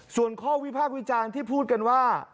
ส่วนข้อวิพากษ์วิจารณ์ที่พูดกันว่า